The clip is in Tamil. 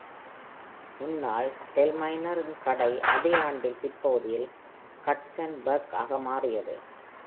முன்னாள் Thalhimer-ன் கடை அதே ஆண்டின் பிற்பகுதியில் Hudson Belk-ஆக மாறியது.